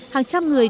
hàng trăm người